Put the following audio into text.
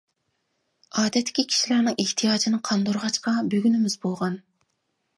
ئادەتتىكى كىشىلەرنىڭ ئېھتىياجىنى قاندۇرغاچقا بۈگۈنىمىز بولغان.